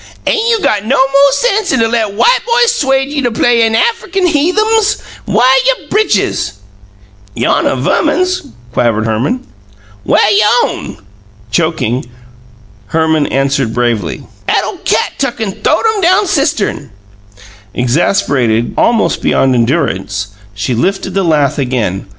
Ain' you got no mo' sense 'an to let white boys 'suede you play you Affikin heathums? Whah you britches?" "Yonnuh Verman's," quavered Herman. "Whah y'own?" Choking, Herman answered bravely: "'At ole cat tuck an' th'owed 'em down cistern!" Exasperated almost beyond endurance, she lifted the lath again.